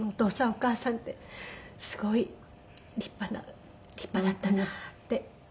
お義母さんってすごい立派な立派だったなって。